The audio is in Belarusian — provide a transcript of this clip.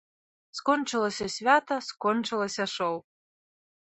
Скончылася свята, скончылася шоў.